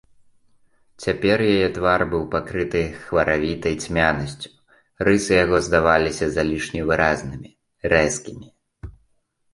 Цяпер яе твар быў пакрыты хваравітай цьмянасцю, рысы яго здаваліся залішне выразнымі, рэзкімі.